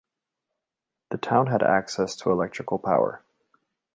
The town had access to electrical power.